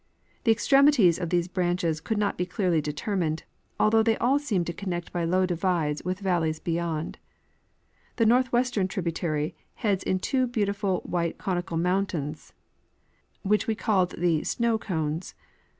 The extremities of these branches could not be clearly determined, although they all seem to connect by low divides with valleys beyond. The northwest ern tributary heads in two beautiful white conical mountains, which we called the Snow cones.